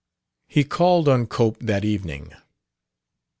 He called on Cope that evening.